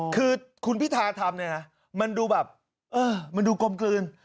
คือคุณพิธาทำเนี่ยนะมันดูแบบเออมันดูกลมกลืน